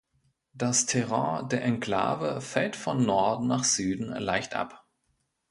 Das Terrain der Enklave fällt von Norden nach Süden leicht ab.